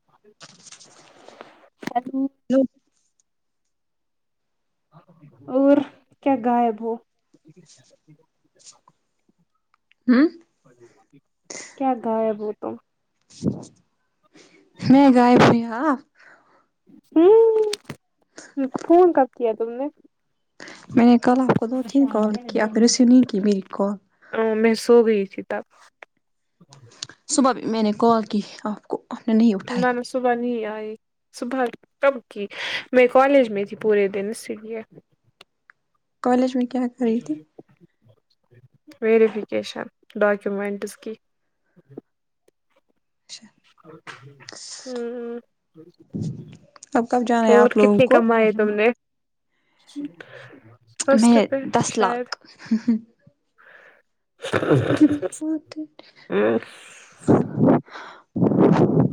[unintelligible] نو اور کیا غائب ہو ہوں کیا غایب وہ تو میں غائب ہوئی ہاں ہمم مکو فون کب کیا تم نے میں نے کل آپ کو دو تین کال کی آپ نے ریسیو نہیں کی میری کال ا میں سو گئی تھی تب صبح بھی میں نے کال کی آپ کو آپ نے نہیں اٹھائی میں نے صبح نہیں ائی صبح تب کی میں کالج میں تھی پورے دن اسی لیے کالج میں کیا کر رہی تھی ویریفکیشن ڈاکومینٹس اسکی اچھا اب کب جانا ہے اور آپ لوگوں کتنے کو کمائی تم نے میں فسٹ پہ دس شاید لاکھ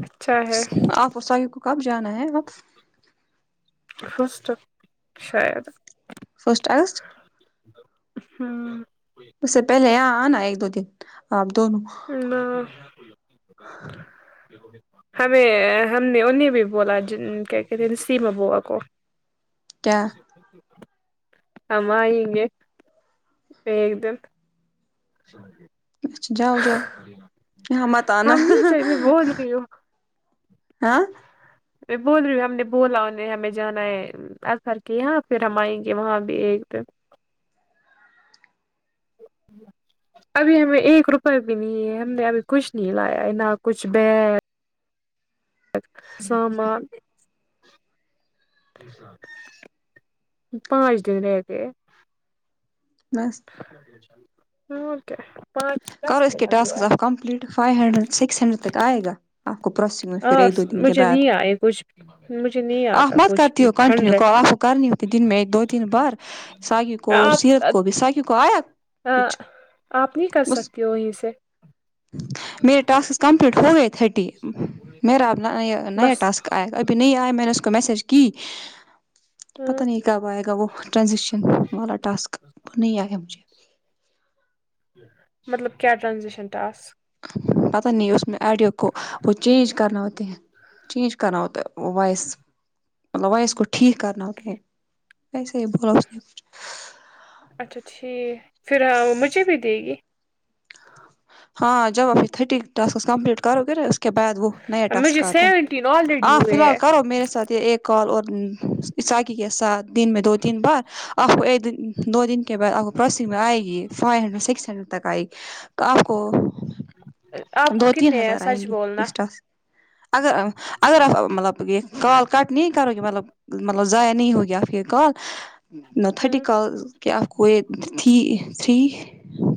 اچھا ہے آپ [unintelligible] و صاح کو کب جانا ہے آپ فسٹ شاید فسٹ اگستٹ ہاں اس سے پہلے آ آنا ایک دو دن آپ دونوں نہ ہمیں ہم نے انہیں بھی بولا جن کیا کہتے ہیں نسیما بوا کو کیا ہم آئیں گے ایک دن اچھا اچھا جاؤ جاؤ یہاں مت آنا ہم نہیں چل میں بول رہی ہوں ہاں میں بول رہی ہوں ہم نے بولا انہیں ہمیں جانا ہے ا ظہر کے یہاں پھر ہم آئیں گے وہاں بھی ایک دن ابھی ہمیں ایک روپے بھی نہیں ہے ہم نے ابھی کچھ نہیں لایا نہ کچھ بیگ سامان کے ساتھ پانچ دن رہ گے ہے بس ہاں اور کے کرو اس کے ٹاسک آپ complete five hundred six hundred تک آئے گا آپ کو پروسی میں پھر ہاں ایک دو دن کے مجھے بعد نہیں آئے کچھ بھی مجھے نہیں آتا آپ مت کچھ کرتی بھی ہو کنٹینیو کال ہنڈریڈ آپ کرنی ہوتی دن میں دو تین بار ساگو کو اور سیرت کو بھی ساگو کو آیا ہا کچھ آپ نہیں کر بس سکتی ہو اسے میرے ٹاسک کمپلیٹ ہو گئے تھ رٹی میرا اب نیا بس ٹاسک آیا ابھی نہیں آیا میں نے اس کو میسج کی ہاں پتہ نہیں کب آئے گا وہ ٹرانزیکشن والا ٹاسک تو نہیں آئے گا مجھے مطلب کیا ٹرانزیشن ٹاسک پتہ نہیں اس میں آڈیو کو وہ چینج کرنا ہوتے ہیں چینج کرناؤ تو وائس مطلب وائس گو ٹھیک کرنؤ تو ویسے ہی بولو اس نے کچھ اچھا ٹھیک ہے پھر مجھے بھی دے گی ہاں جا ابھی تھرٹی ٹاسکس کمپلٹ کرو گے اس کے بعد وہ نیا مجھے ٹاسک آتا ہے سیونٹین آلریڈی فی ہوئے الحال ہے کرو میرے ساتھ ایک کال اور عیساکی کے ساتھ دن میں دو تین بار آپ کو ایک دن دو دن کے بعد آپ کو پروسنگ میں آئے گی فائیو ہنڈریڈ سکس ہنڈریڈ تک آئے گی تو آپ کو آپ کو دو تین کتنے ہیں ہزار آئیں سچ گے بولنا اس ٹاسک اگر اگر آپ مطلب یہ کال کٹ نہیں کرو گے مطلب مطلب ضائع نہیں ہوگی آپ کی کال نا ہ تھرٹی کالس کیا آپ کو یہ تھری تھری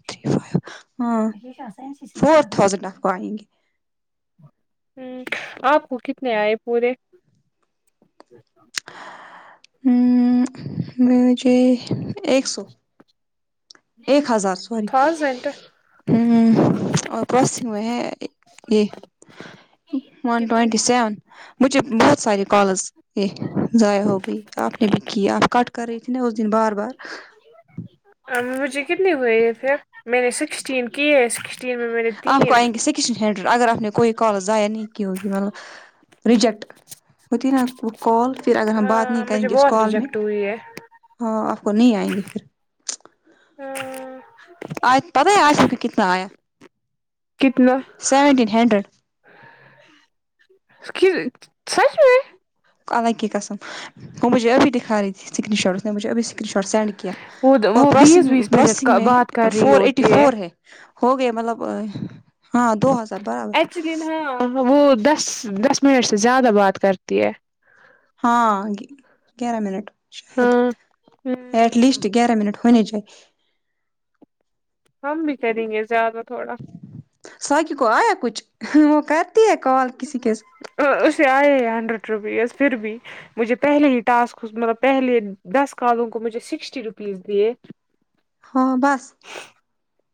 تھری فائیو ہاں اسے رکھ پائینگے ہوں آپ کو کتنے آئے پورے ہوں لوجی ایک سو ایک ہزار سوری تھاؤزینڈ ہوں اور پرسوں ہوئے ہے یہ وان کتنے ٹوئنٹی سیون مجھے بہت سارے کالس یہ ضائع ہو گئی آپ نے بھی کی آپ کٹ کر رہی تھی نا اس دن بار بار مجھے کتنی ہوئے ہے پھر میں نے سکسٹین کی ہے سکسٹین میں میرے تین کش ہینڈ اگر آپ نے کو کالج ضائع نہیں کی ہوگی مطلب ریجیکٹ ہوتی نا کال پھر اگر ہم بات ہاں نہیں مجھے کریں گے اس بہت کال میں ریجیکٹ ہوئی ہے ہاں آپ کو نہیں آئیں گے پھر ہاں آج ابھی عائشہ کو کتنا آیا سیونٹین ہنڈریڈ اس کی سج میں اللہ کی قسم وہ مجھے ابھی دکھا رہی تھیاسکرین شاٹ اسنے مجھے ابھی سکرین شاٹ سینڈ کیا وہ اور وہ بیس پروسنگ بیس منٹ پروسیسنگ کا میں بات کر رہی فور ایٹی ہوتی فور ہے ہو گئے مطلب ہاں دو ہزار برابر ایکچولی نا وہ دس دس منٹ سے زیادہ بات کرتی ہے ہاں گیہ گیارہ منٹ شاید ہاں ہ ایٹ لیسٹ گیارہ منٹ ہونے چائے ہم بھی کریں گے زیادہ تھوڑا ساقی کو آیا کچھ وہ کرتی ہے کال کسی کسی ا اسے آے ہیں ہنڈرریڈ روپیز پھر بھی مجھے پہلے ہی ٹاسک مطلب پہلے دس کالوں کو مجھے سکسٹی روپیز دیے ہاں بس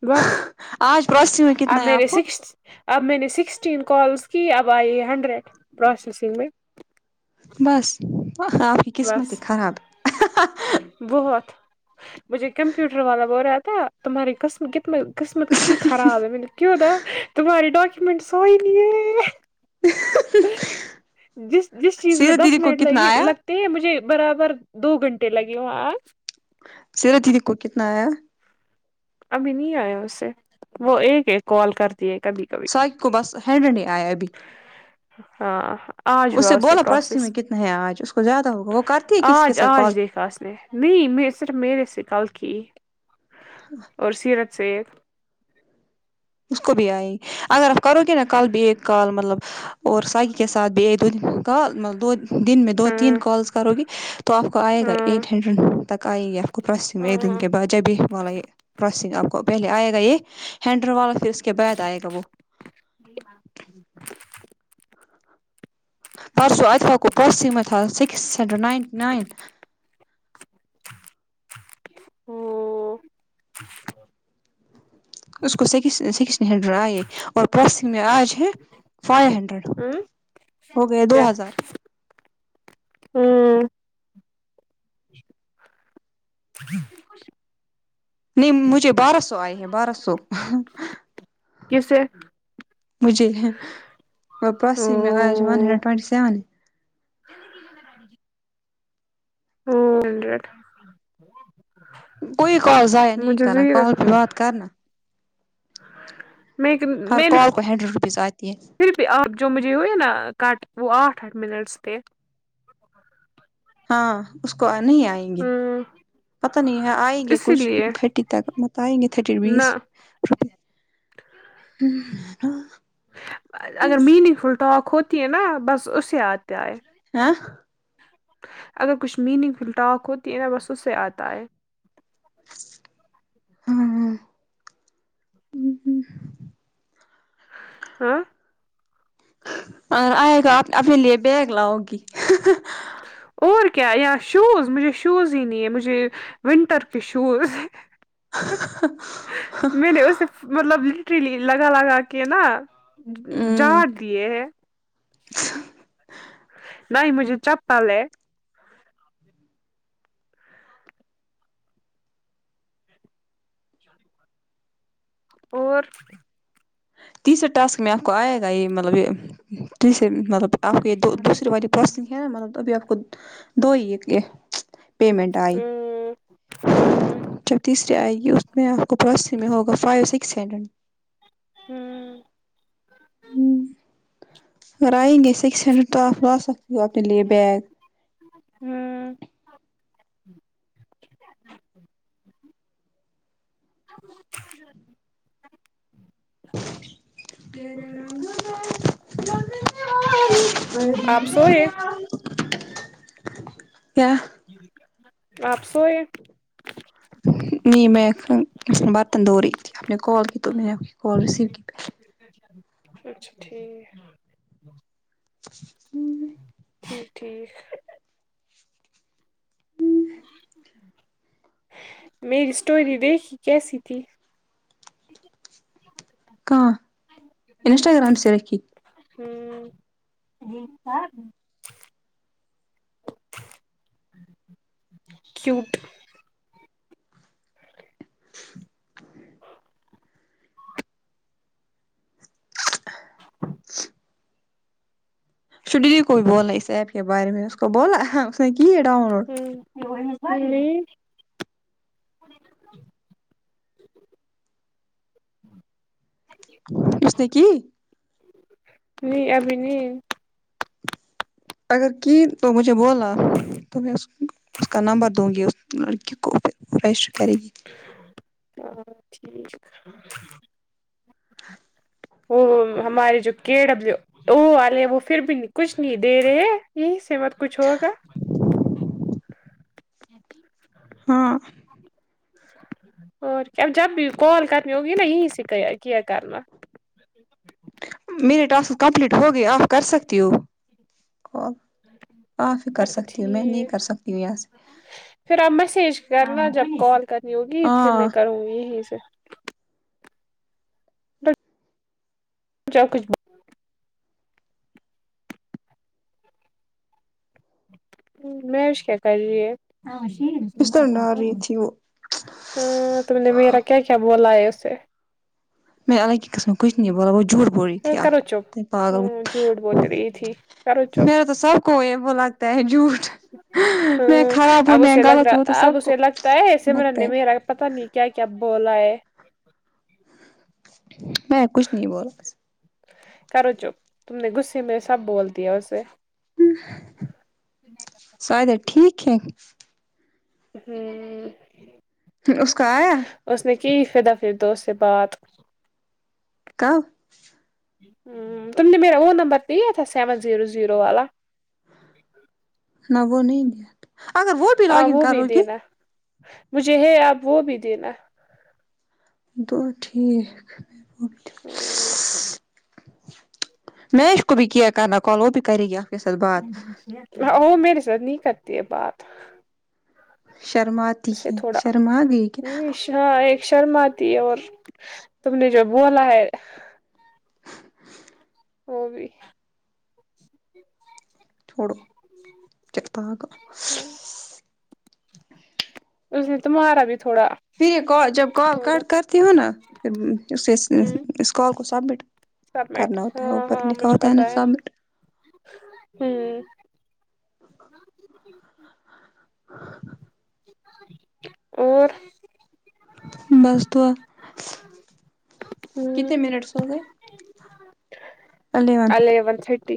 بس آج پروسیسنگ میں اب کتنا ہے نے آپ کو سکس اب میں نے سکسٹین کالس کی اب آئی ہنڈریڈ پروسیسنگ میں بس آپ کی قسمت ہی بس خراب بہت مجھے کمپیوٹر والا بول رہا تھا تمہاری قس قسمت کتنی خراب ہے میں نے کیوں با تمہارے ڈاکومینٹس سائن نہیں ہے ہ ہ جس جس چیز میں دس منٹ لگی آیا لگ ٹی ہیں مجھے برابر دو گھنٹے لگے وہاں شرط دیدی کے کتنا آیا ابھی نہیں آیا اوسے وہ ایک ایک کال کر تی ہے کبھی کبھی سائڈ کو بس ہینڈرڈ نہیں آیا ابھی ہاں ہاں آج اس ہوا سے اسے بولا پروسی پراسیس میں کتنا ہے آج اس کو زیادہ ہوگا وہ کرتی ہے کسی کے آج ساتھ کال آج دیکھا اس نے نہیں میں صرف میرے سے کل کی [unintelligible] اور سیرت سے اس کو بھی آئی اگر آپ کرو کہ ن کال بی کال مطلب اور ساگی کے ساتھ بھی دو دن کال مطلب دو دن میں دو تین ہاں کالس کرو گے تو آپ کو آئے گا ایٹ ہاں ہنڈریڈ تک آئیں گے کپرسسیم دن کے بعد جب [unintelligible] والا یہ پروسسنگ آپ کو پہلے آئے گا یہ ہینڈر والا پھر اس کے بعد آئے گا وہ ج [inaudible] پرسو اچھا آپ کو پروس میں تھا سکس ہنڈریڈ نائنٹی نائن ہ ہوں اس کو سکس سکس نے ڈراے ہے اور پس آج ہے فائیو ہنڈریڈ ہوں ہو گئے کیا دو ہزار [inaudible] نہیں مجھے بارہ سو آئی ہے بارہ سو کیسے مجھے وہ پراسی میں آیا ون ہنڈریڈ ٹوئونٹی سیون ہے ہو ٹھا کوئی کالز ائے نہیں کنا زیرو کال پہ بات کرنا میں ہر میں نے کال کو ہنڈریڈ روپیز آتی ہے پھر بھی آپ جو مجھے ہوئیے نا کٹ وہ آٹھ آٹھ منٹس تھے ہاں اس کو نہیں آئیں گے ہاں پتا نہیں ہے آئیں گے اسی کچھ لیے تھرٹی تک مت آئیں گے تھرٹی نہ بیس ہ نا [inaudible] اگر میننگ فل ٹاک ہوتی ہے نا بس اسے آتے آئے ہاں اگر کچھ میننگ فل ٹاک ہوتی ہے نا بس اس سے آتا ہے ہمم ہمم ہمم ہاں آئے گا اپنے لیے بیگ لاؤ گی اور کیا یاں شوز مجھے شوز ہی نہیں ہے مجھے ونٹر کے شوز ه ہا ہا ہا میں نے اسے مطلب لٹریلی لگا لگا کے نا جاڑ دیے ہے اچھا نہیں مجھے چپل ہے اور تیسرے ٹاسک میں آپ کو آئے گا یہ مطلب یہ تیسرے مطلب آپ کو یہ دوسرے والی پسن ہے نا مطلب ابھی آپ کو دو ہی پیمنٹ آئی ہوں ہوں جب تیسرے آئے گی اس میں آپ کو پروسس میں ہوگا فائیو سکس ہینڈریڈ ہوں ہمم اگر آئیں گے سکس ہنڈریڈ تو آپ لا سکتے ہو اپنے لیے بیگ ہوں [unintelligible] آپ سوئے کیا آپ سوئے نہیں میں برتن دھو رہی تھی آپ نے کال کی تو میں نے کال ریسیو کی پ اچھا ٹھیک ہوں جی ٹھیک میری اسٹوری دیکھی کیسی تھی کہاں انسٹاگرام سےیرک ہی ہوں ج تھا کیوٹ [inaudible] ش ڈیلی کو بھی بولنا ہے اس ایپ کے بارے میں اس کو بولا اس نے کی ہے ڈاؤن لوڈ ہیلو ممی اس نے کی نہیں ابھی نہیں اگر کی تو مجھے بولا تو میں اس کا نمبر دوں گی لڑکی کو پھر رجسٹر کرے گی ہاں تھیک وہ ہماری جو کے ڈبلو او والے وہ پھر بھی کچھ نہیں دے رہے یہی سے مت کچھ ہوگا ہاں اور کیا اب جب بھی کال کرنی ہوگی نا یہیں سے کیا کیا کرنا میرا ٹاسک کمپلیٹ ہوگیا آف کر سکتی ہو آپ ہی کر اچھا سکتی ہوں میں نہیں ٹھیک کر سکتی ہوں یہاں سے پھر آپ میسج کرنا جب کال کرنی ہوگی پھر ہاں میں کروں گی یہیں سے جاؤ کچھ میش کیا کر رہی ہے تاشیر بستر میں ڈال رہی تھی وہ ہاں تم نے میرا کیا کیا بولا ہے اسے اللہ کی قسم کچھ نہیں بولا وہ جھوٹ بول رہی تھی آپ کرو چپ ہ جھوٹ بول کو [unintelligible] رہی تھی کرو چپ میرا تو سب کو ہے وہ لگتا ہے جھوٹ میں ہوں خراب ہوں اب میں اسے لگ غلط ہوں تو رہا اب سب کو اسے لگتا ہے ایسے میںر لگتا نے ہے میرا پتا نہیں کیا کیا بولا ہے میں کچھ نہیں بولا کرو چپ تم نے غصے میں سب بول دیا اسے سارے ٹھیک ہے ہوں اس کا آیا اس نے کی فدا فرد اس سے بات کب ہ تم نے میرا وہ نمبر پیا تھا سیون زیرو زیرو والا نہ وہ نہیں دیا اگر وہ بھی لاگ ہاں ان بھی کرو گی دینا مجھے ہے آپ وہ بھی دینا جی ٹھیک ہمم میش کو بھی کیا کرنا کال وہ بھی کر گی آپ کے ساتھ بات وہ میرے ساتھ نہیں کرتی یہ بات شرماتی اسے ہے تھوڑا شرم گئی کیا ہاں ایک شرم آتی ہے اور تم نے جو بولا ہے وہ بھی چوڑو چتا آگ ہمم، اس نے تمہارا بھی تھوڑا پھر یہ کال جب کال چھوڑو کٹ کرتی ہوں نا پھر اس کے ہمم، اس کال کو سبمٹ سبمٹ کرنا ہوتا ہے اوپر لکھا ہوتا ہے نا سبٹ ہمم ہاں اور بس دعا ہمم کتے منٹس ہو گئے الیون تھرٹی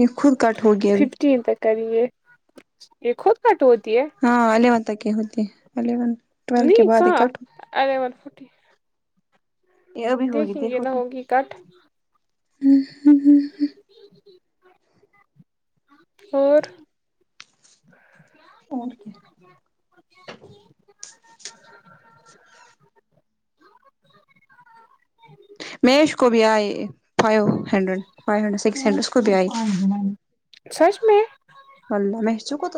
یہ خود کٹ ہوگیا ففٹین تک کریے یہ خود کٹ ہوتی ہے ہاں الیون تک ہی ہوتی ہے الیون ٹویلو کے نہیں بعد کہاں اکٹ الیون فورٹی ہوتی، یہ ابھی ہوگی دیکھیں گے دیکھو نہ تم ہوگی کٹ اور اور کیا کی مہیش کو بھی آئی five hundred five hundred six hundred اس کو بھی آئی سچ میں ولہ میںحچو کوت